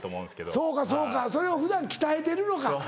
そうかそうかそれを普段鍛えてるのか。